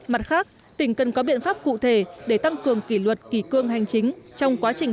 mặt khác tỉnh cần có biện pháp cụ thể để tăng cường kỷ luật kỷ cương hành chính trong quá trình